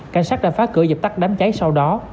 cảnh sát đã phá cửa dập tắt đám cháy sau đó